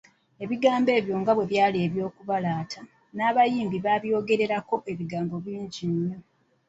Ebigambo ebyo nga bwe byali eby'okubalaata, n'abayimbi babyongerako ebigambo bingi nnyo.